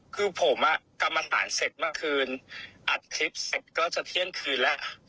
คือผมกรรมสารเสร็จเมื่อคืนอัดคลิปเสร็จก็จะเที่ยงคืนแล้ว